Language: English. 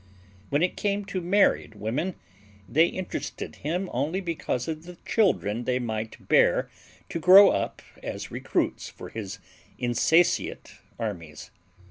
When it came to married women they interested him only because of the children they might bear to grow up as recruits for his insatiate armies.